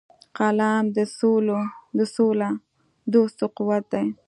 قلم د سولهدوستو قوت دی